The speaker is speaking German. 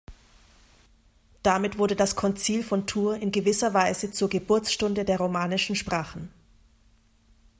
Damit wurde das Konzil von Tours in gewisser Weise zur Geburtsstunde der romanischen Sprachen.